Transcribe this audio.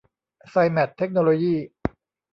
ไซแมท เทคโนโลยี